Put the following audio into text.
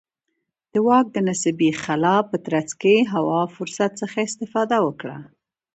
د واک د نسبي خلا په ترڅ کې هوا فرصت څخه استفاده وکړه.